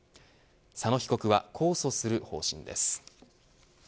佐野被告は控訴する方針です。